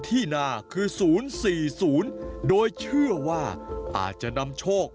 ที่นาคือศูนย์สี่ศูนย์โดยเชื่อว่าอาจจะนำโชค